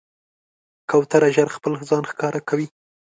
کوتره ژر خپل ځان ښکاره کوي.